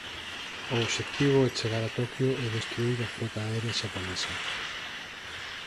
O obxectivo é chegar a Toquio e destruír a frota aérea xaponesa.